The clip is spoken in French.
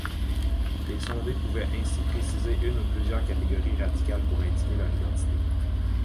Les sondés pouvaient ainsi préciser une ou plusieurs catégories raciales pour indiquer leur identité.